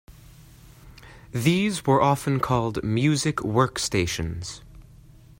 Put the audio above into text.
These were often called "Music Workstations".